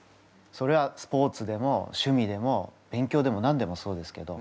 それはスポーツでも趣味でも勉強でも何でもそうですけど。